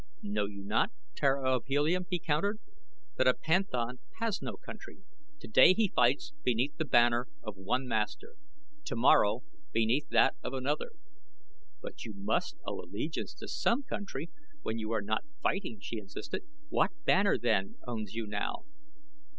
"Know you not, Tara of Helium," he countered, "that a panthan has no country? Today he fights beneath the banner of one master, tomorrow beneath that of another." "But you must own allegiance to some country when you are not fighting," she insisted. "What banner, then, owns you now?"